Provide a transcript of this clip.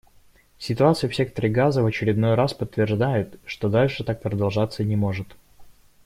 Ситуация в секторе Газа в очередной раз подтверждает, что дальше так продолжаться не может.